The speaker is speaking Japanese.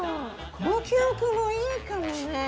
この記憶もいいかもね。